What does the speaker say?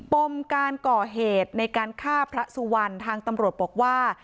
ปมการก่อเหตุในการฆ่าพระสุวรรณทางตำรวจบอกว่า